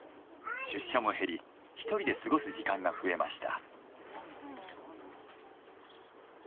出社も減り１人で過ごす時間が増えました。